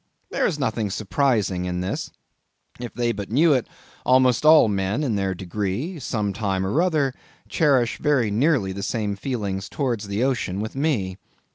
There is nothing surprising in this. If they but knew it, almost all men in their degree, some time or other, cherish very nearly the same feelings towards the ocean with me.